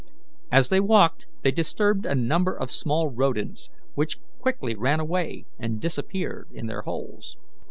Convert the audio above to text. As they walked they disturbed a number of small rodents, which quickly ran away and disappeared in their holes.